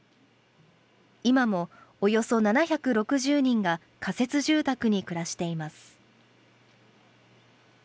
今もおよそ７６０人が仮設住宅に暮らしています。